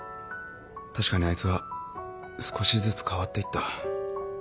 確かにあいつは少しずつ変わっていった。